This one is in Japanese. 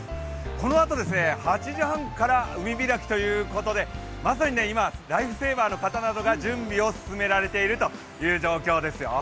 このあと８時半から海開きということで、まさに今、ライフセーバーの方などが準備を進められているという状況ですよ。